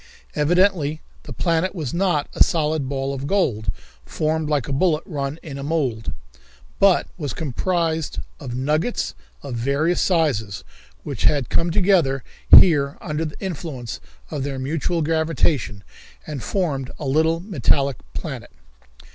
Evidently the planet was not a solid ball of gold, formed like a bullet run in a mould, but was composed of nuggets of various sizes, which had come together here under the influence of their mutual gravitation, and formed a little metallic planet.